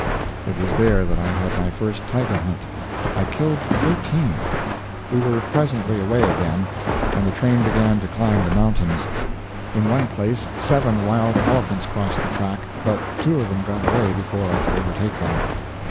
It was there that I had my first tiger hunt. I killed thirteen. We were presently away again, and the train began to climb the mountains. In one place seven wild elephants crossed the track, but two of them got away before I could overtake them.